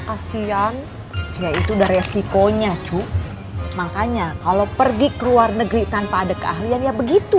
asean yaitu dari resikonya cuk makanya kalau pergi ke luar negeri tanpa ada keahlian ya begitu